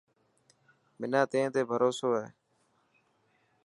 منان تين تي ڀروسو هي.